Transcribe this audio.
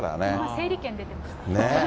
整理券出てます。